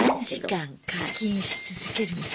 ３時間課金し続けるんだ。